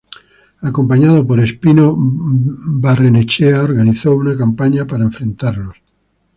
Acompañado por Espino, Barrenechea organizó una campaña para enfrentarlos.